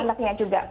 sama anaknya juga